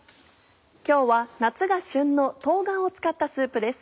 今日は夏が旬の冬瓜を使ったスープです。